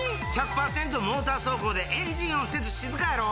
モーター走行でエンジン音せず静かやろ？